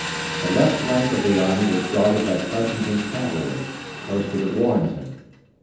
The left flank of the army was guarded by Pleasonton's cavalry, posted at Warrenton.